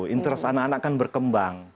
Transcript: interest anak anak kan berkembang